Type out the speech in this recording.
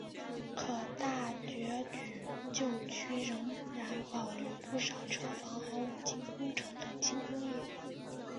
可是大角咀旧区仍然保留不少车房和五金工程等轻工业。